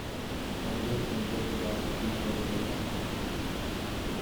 Ambient music is also featured late at night.